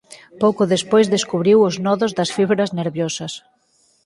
Pouco despois descubriu os nodos das fibras nerviosas.